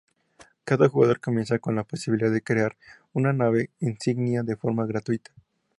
Cada jugador comienza con la posibilidad de crear una nave insignia de forma gratuita.